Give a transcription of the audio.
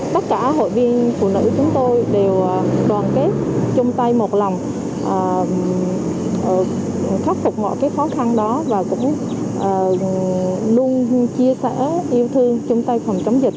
tất cả hội viên phụ nữ chúng tôi đều đoàn kết chung tay một lòng khắc phục mọi khó khăn đó và cũng luôn chia sẻ yêu thương chung tay phòng chống dịch